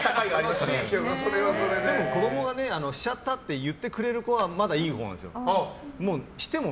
でも子供がしちゃったって言ってくれる子はまだいいほうなんですよ。